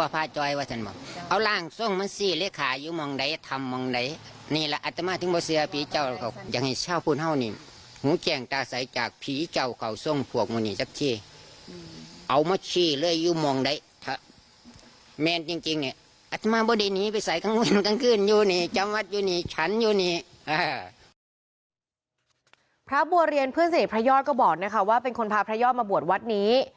พระบัวเรียนเพื่อนสนิทพระยอดก็บอกนะคะว่าเป็นคนพาพระยอดมาบวชวัดนี้